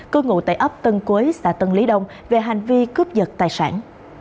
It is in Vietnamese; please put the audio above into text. cư ngụ tại ấp tân quế xã tân lý đông về hành vi cướp giật tài sản